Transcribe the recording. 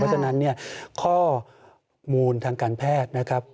ฉะนั้นเนี่ยข้อมูลทางการแพทย์นะครับ